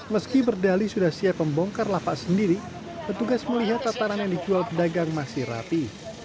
meski berdali sudah siap membongkar lapak sendiri petugas melihat tatanan yang dijual pedagang masih rapi